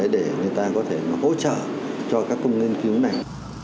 để người ta có thể hỗ trợ cho các công nghiên cứu này